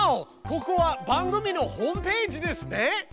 ここは番組のホームページですね。